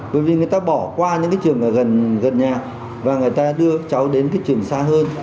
bởi vì người ta bỏ qua những trường gần nhà và người ta đưa cháu đến trường xa hơn